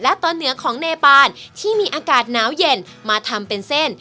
และตอนเหนือของเนปานที่มีอากาศหนาวเย็นมาทำเป็นเส้น